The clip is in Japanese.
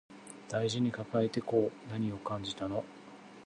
大事に抱えてこう何を感じたの